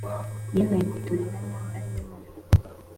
Yemeye kuturera nkaho ariwe mama